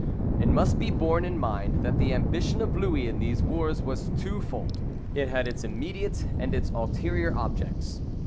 It must be borne in mind that the ambition of Louis in these wars was twofold. It had its immediate and its ulterior objects.